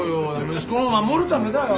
息子を守るためだよ。